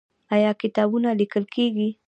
آیا کتابونه لیکل کیږي؟